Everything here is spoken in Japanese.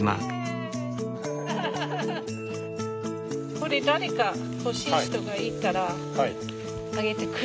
これ誰か欲しい人がいたらあげて下さい。